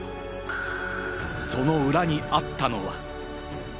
その裏にあったのは。